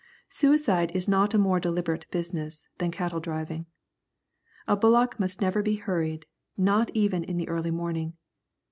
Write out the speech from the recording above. Suicide is not a more deliberate business than cattle driving. A bullock must never be hurried, not even in the early morning.